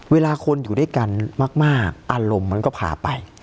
เวลาคนอยู่ด้วยกันมากอารมณ์มันก็พาไป